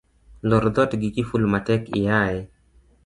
Loor dhoot gi kiful matek iaye